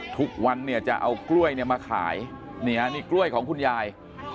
ทุกวันเนี่ยจะเอากล้วยเนี่ยมาขายนี่ฮะนี่กล้วยของคุณยาย